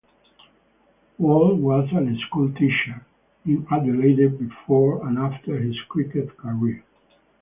Wall was a school teacher in Adelaide before and after his cricket career.